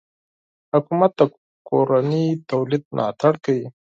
حکومت د کورني تولید ملاتړ کوي.